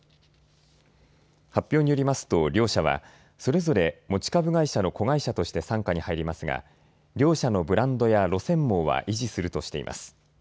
発表によりますと両社はそれぞれ持ち株会社の子会社として傘下に入りますが両社のブランドや路線網は維持するとしています。